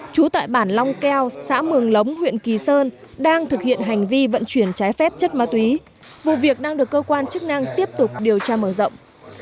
trú tại bản long keo xã mường lống huyện kỳ sơn đang thực hiện hành vi vận chuyển trái phép chất ma túy vụ việc đang được cơ quan chức năng tiếp tục điều tra mở rộng